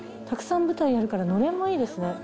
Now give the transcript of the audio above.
たくさん舞台やるからのれんもいいですね。